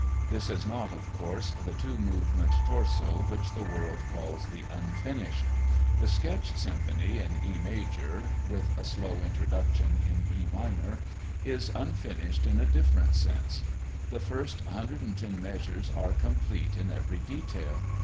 This is not, of course, the two movement torso which the world calls the Unfinished. The Sketch Symphony in E major (with a slow introduction in E minor), is unfinished in a different sense. The first 110 measures are complete in every detail.